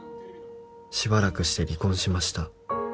「しばらくして離婚しました」